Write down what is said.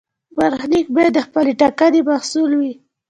برخلیک باید د خپلې ټاکنې محصول وي.